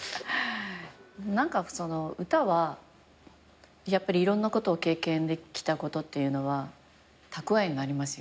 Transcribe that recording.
歌はやっぱりいろんなことを経験できたことっていうのは蓄えになりますよね。